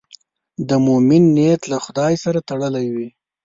د مؤمن نیت له خدای سره تړلی وي.